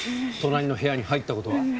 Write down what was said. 隣の部屋に入ったことは？